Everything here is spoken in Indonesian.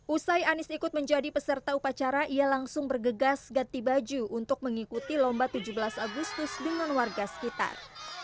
usai anies ikut menjadi peserta upacara ia langsung bergegas ganti baju untuk mengikuti lomba tujuh belas agustus dengan warga sekitar